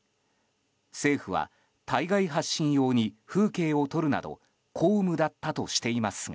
政府は対外発信用に風景を撮るなど公務だったとしていますが。